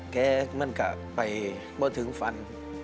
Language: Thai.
แกมันก็ไปไม่ถึงฝัน